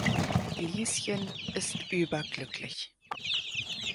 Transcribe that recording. Lieschen ist überglücklich.